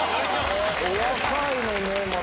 お若いのねまだ。